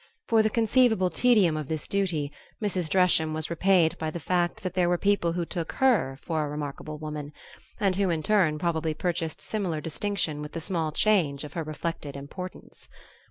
For the conceivable tedium of this duty, Mrs. Dresham was repaid by the fact that there were people who took HER for a remarkable woman; and who in turn probably purchased similar distinction with the small change of her reflected importance.